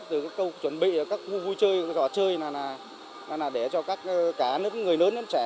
từ các câu chuẩn bị các khu vui chơi các trò chơi là để cho cả người lớn đến trẻ